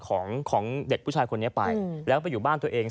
ของของเด็กผู้ชายคนนี้ไปแล้วไปอยู่บ้านตัวเอง